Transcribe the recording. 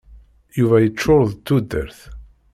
Yuba yeččuṛ d tudert.